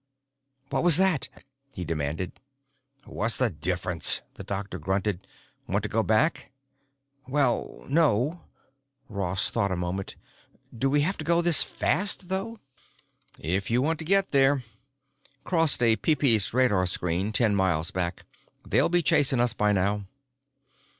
"What was that?" he demanded. "What's the difference?" the doctor grunted. "Want to go back?" "Well, no——" Ross thought for a moment. "Do we have to go this fast, though?" "If we want to get there. Crossed a Peepeece radar screen ten miles back; they'll be chasing us by now."